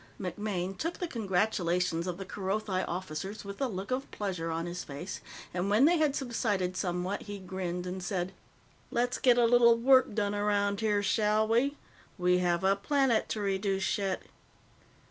MacMaine took the congratulations of the Kerothi officers with a look of pleasure on his face, and when they had subsided somewhat, he grinned and said: "Let's get a little work done around here, shall we? We have a planet to reduce yet."